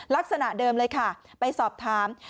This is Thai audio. ลักษณะเดิมเลยค่ะไปสอบถาม